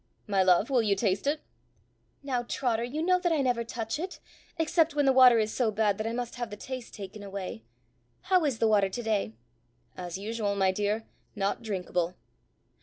"My love, will you taste it?" "Now, Trotter, you know that I never touch it, except when the water is so bad that I must have the taste taken away. How is the water to day?" "As usual, my dear, not drinkable."